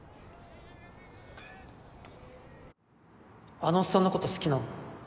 あのオッサンのこと好きなの？